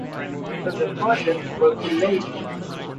The project was delayed.